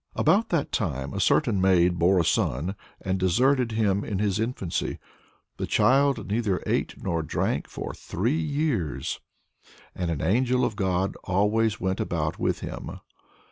About that time a certain maid bore a son and deserted him in his infancy. The child neither ate nor drank for three years and an angel of God always went about with him.